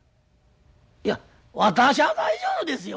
いや私は大丈夫ですよ。